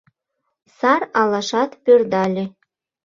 Сар алашат пӧрдале